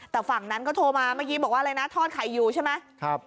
แต่ฝั่งนั้นก็โทรมาเมื่อกี้บอกว่าอะไรนะทอดไข่อยู่ใช่ไหม